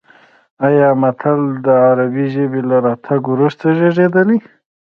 ایا متل د عربي ژبې له راتګ وروسته زېږېدلی دی